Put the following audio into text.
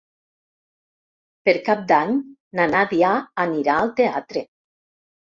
Per Cap d'Any na Nàdia anirà al teatre.